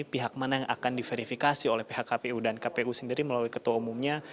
pihak mana yang akan diverifikasi oleh pihak kpu dan kpu sendiri melalui ketua umumnya